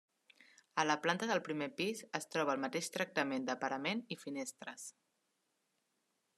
A la planta del primer pis, es troba el mateix tractament de parament i finestres.